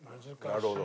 なるほど。